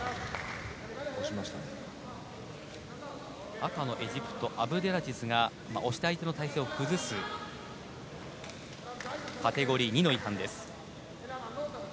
赤のエジプト、アブデラジズが押して相手の体勢を崩すカテゴリー２の違反です。